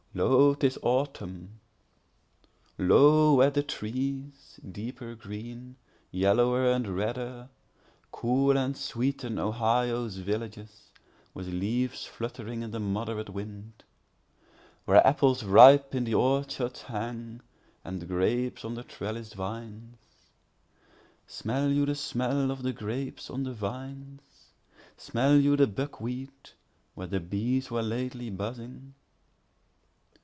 2Lo, 'tis autumn; Lo, where the trees, deeper green, yellower and redder, Cool and sweeten Ohio's villages, with leaves fluttering in the moderate wind; Where apples ripe in the orchards hang, and grapes on the trellis'd vines;(Smell you the smell of the grapes on the vines? Smell you the buckwheat, where the bees were lately buzzing?)